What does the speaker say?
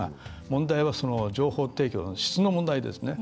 問題は情報提供の質の問題ですね。